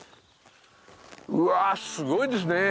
うわすごいですね！